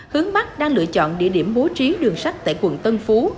hướng mắt đang lựa chọn địa điểm bố trí đường sách tại quận tân phú